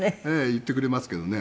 言ってくれますけどね。